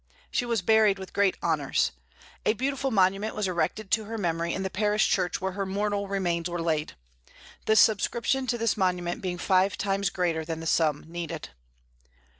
She was buried with great honors. A beautiful monument was erected to her memory in the parish church where her mortal remains were laid, the subscription to this monument being five times greater than the sum needed.